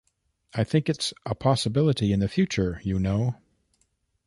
I think it's a possibility in the future, you know.